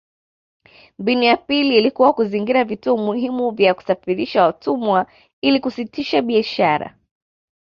Mbinu ya pili ilikuwa kuzingira vituo muhimu vya kusafirishia watumwa ili kusitisha biashara